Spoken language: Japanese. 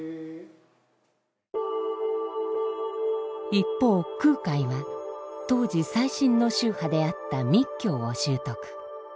一方空海は当時最新の宗派であった密教を習得。